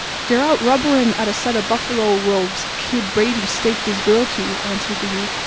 "Dey're out rubberin' at a set of buffalo robes Kid Brady staked his girl to," answered the youth.